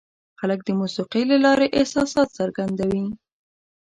خلک د موسیقۍ له لارې احساسات څرګندوي.